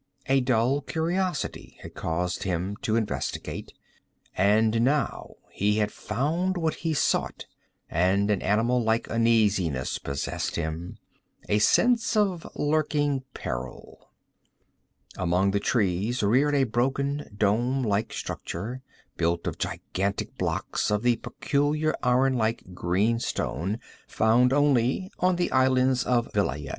A dull curiosity had caused him to investigate; and now he had found what he sought and an animal like uneasiness possessed him, a sense of lurking peril. Among the trees reared a broken dome like structure, built of gigantic blocks of the peculiar iron like green stone found only on the islands of Vilayet.